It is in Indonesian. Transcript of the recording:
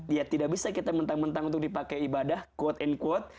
ya tidak bisa kita mentang mentang untuk dipakai ibadah quote and quote